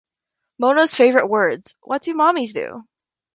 "Mona's Favorite Words", "What Do Mommies Do?